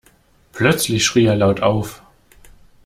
Plötzlich schrie er laut auf.